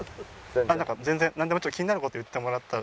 なんか全然なんでも気になる事言ってもらったら。